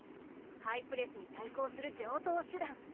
ハイプレスに対抗する常とう手段。